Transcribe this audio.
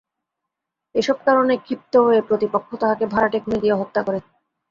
এসব কারণে ক্ষিপ্ত হয়ে প্রতিপক্ষ তাঁকে ভাড়াটে খুনি দিয়ে হত্যা করে।